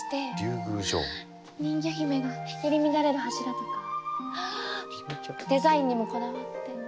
人魚姫が入り乱れる柱とかデザインにもこだわって。